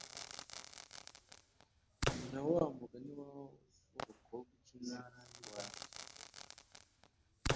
na wa mugani w'abakobwa cumi wanditswe